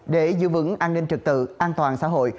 để giữ vững an ninh trực tự an toàn xã hội